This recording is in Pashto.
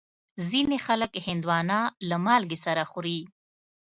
ځینې خلک هندوانه له مالګې سره خوري.